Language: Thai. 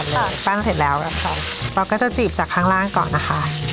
ปั้นเสร็จแล้วนะคะเราก็จะจีบจากข้างล่างก่อนนะคะ